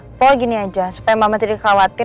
pokoknya gini aja supaya mama tidak dikhawatir